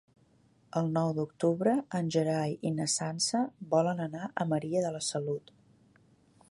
El nou d'octubre en Gerai i na Sança volen anar a Maria de la Salut.